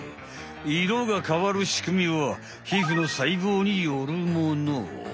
色が変わるしくみはひふのさいぼうによるもの。